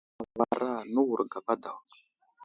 Avər anay awara, newuro gapa daw.